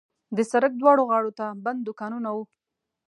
د سړک دواړو غاړو ته بند دوکانونه وو.